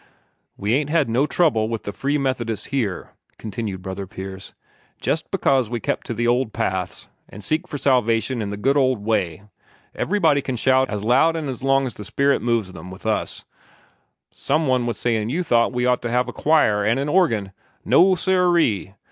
"We ain't had no trouble with the Free Methodists here," continued Brother Pierce, "jest because we kept to the old paths, an' seek for salvation in the good old way. Everybody can shout 'Amen!' as loud and as long as the Spirit moves him, with us. Some one was sayin' you thought we ought to have a choir and an organ. No, sirree!